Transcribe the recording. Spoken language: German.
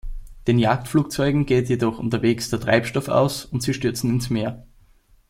Den Jagdflugzeugen geht jedoch unterwegs der Treibstoff aus und sie stürzen ins Meer.